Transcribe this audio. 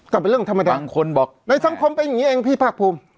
ก็เป็นเรื่องธรรมดาบางคนบอกในสังคมเป็นอย่างนี้เองพี่ภาคภูมิ